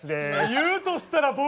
言うとしたら僕！